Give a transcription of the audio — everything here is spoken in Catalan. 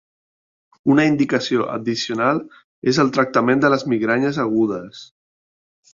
Una indicació addicional és el tractament de les migranyes agudes.